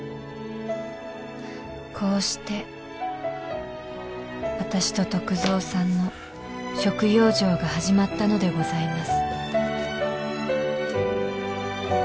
こうして私と篤蔵さんの食養生が始まったのでございます